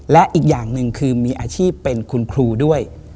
และอีกอย่างหนึ่งคือมีอาชีพเป็นคุณครูด้วย